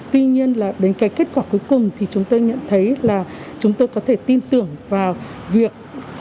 tuy nhiên là đến cái kết quả cuối cùng thì chúng tôi nhận thấy là chúng tôi có thể tin tưởng vào việc